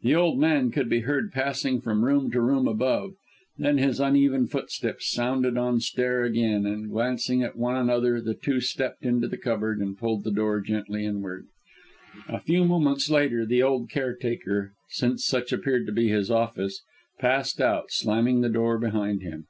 The old man could be heard passing from room to room above; then his uneven footsteps sounded on the stair again, and glancing at one another the two stepped into the cupboard, and pulled the door gently inward. A few moments later, the old caretaker since such appeared to be his office passed out, slamming the door behind him.